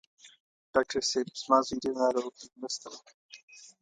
ډاکټر صېب! زما زوی ډېر ناروغ دی، مرسته وکړئ.